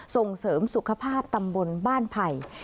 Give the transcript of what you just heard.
ส่งเสริมสุขภาพตำบลบ้านไผ่